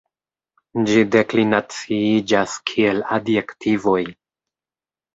Ĝi deklinaciiĝas kiel adjektivoj.